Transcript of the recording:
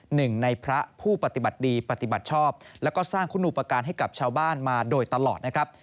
หนึ่งในพระผู้ปฏิบัติดีปฏิบัติชอบแล้วก็สร้างคุณอุปการณ์ให้กับชาวบ้านมาโดยตลอดนะครับ